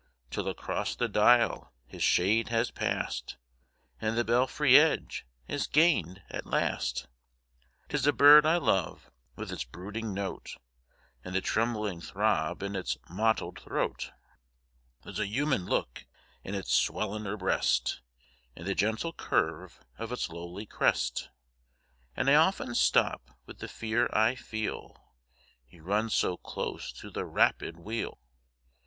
Till across the dial his shade has pass'd, And the belfry edge is gain'd at last. 'Tis a bird I love, with its brooding note, And the trembling throb in its mottled throat ; There's a human look in its swellinor breast, And the gentle curve of its lowly crest ; And I often stop with the fear I feel — He runs so close to the rapid wheel.